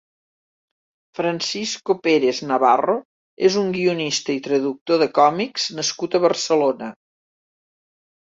Francisco Pérez Navarro és un guionista i traductor de còmics nascut a Barcelona.